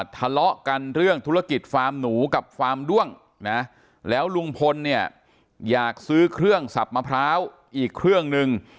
ทะเลาะกันเรื่องธุรกิจฟาร์มหนูกับฟาร์มด้วงนะแล้วลุงพลเนี่ยอยากซื้อเครื่องสับมะพร้าวอีกเครื่องนึง